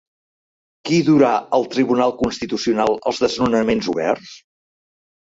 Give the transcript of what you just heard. Qui durà al Tribunal Constitucional els desnonaments oberts?